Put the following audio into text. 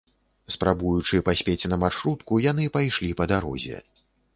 Спрабуючы паспець на маршрутку, яны пайшлі па дарозе.